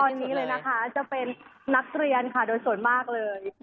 ตอนนี้เลยนะคะจะเป็นนักเรียนค่ะโดยส่วนมากเลย